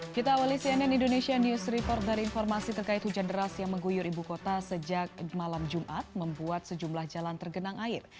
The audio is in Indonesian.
kita awali cnn indonesia news report dari informasi terkait hujan deras yang mengguyur ibu kota sejak malam jumat membuat sejumlah jalan tergenang air